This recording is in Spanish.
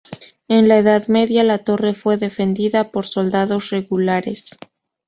En la Edad Media la torre fue defendida por soldados regulares.